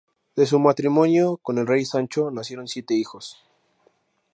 De su matrimonio con el rey Sancho, nacieron siete hijos.